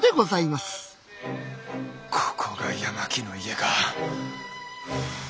ここが八巻の家か！